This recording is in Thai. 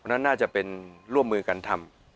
นั่นน่าจะเป็นร่วมมือการทำ